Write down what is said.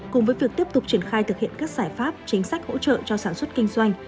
cùng với việc tiếp tục triển khai thực hiện các giải pháp chính sách hỗ trợ cho sản xuất kinh doanh